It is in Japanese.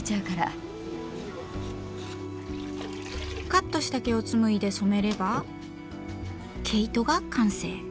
カットした毛をつむいで染めれば毛糸が完成。